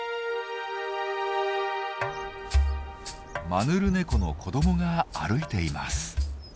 マヌルネコの子どもが歩いています。